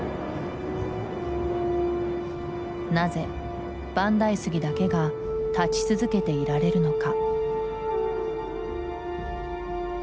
なぜ万代杉だけが立ち続けていられるのか？